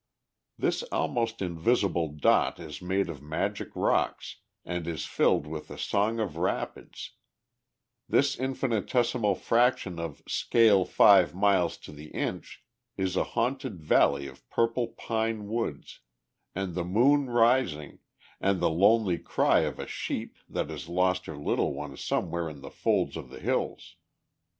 This almost invisible dot is made of magic rocks and is filled with the song of rapids; this infinitesimal fraction of "Scale five miles to the inch" is a haunted valley of purple pine woods, and the moon rising, and the lonely cry of a sheep that has lost her little one somewhere in the folds of the hills.